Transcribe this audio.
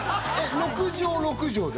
６畳６畳で？